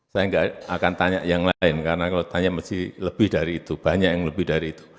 saya nggak akan tanya yang lain karena kalau tanya mesti lebih dari itu banyak yang lebih dari itu